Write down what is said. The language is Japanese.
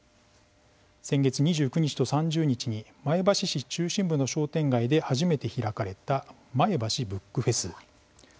先月２９日と３０日に前橋市中心部の商店街で初めて開かれた、前橋ブックフェス。